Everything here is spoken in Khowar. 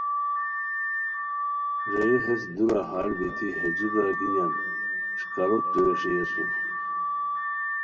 رے ہیس دورا ہال بیتی ہے جو برارگینیان اݰکاروتے ویݰے اسور